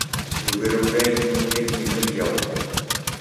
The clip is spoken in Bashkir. Йүгереүҙә еңеүҙе еңел яулау